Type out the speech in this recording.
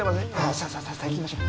さあさあ行きましょう。